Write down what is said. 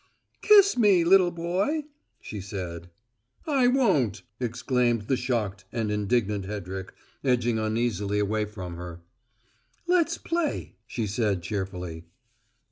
"Kiss me, little boy!" she said. "I won't!" exclaimed the shocked and indignant Hedrick, edging uneasily away from her. "Let's play," she said cheerfully.